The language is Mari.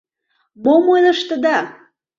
Мом ойлыштыда!